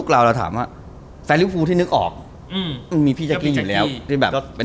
ก็น่าจะ๔๐แล้ว๒๐ปี